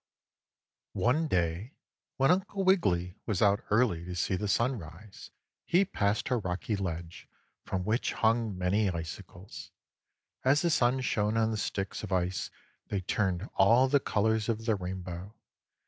One day when Uncle Wiggily was out early to see the sun rise, he passed a rocky ledge from which hung many icicles. As the sun shone on the sticks of ice they turned all the colors of the rainbow.